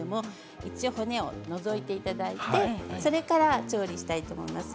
一応、骨を除いていただいてそれから調理したいと思います。